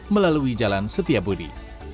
melalui jalan setiabudi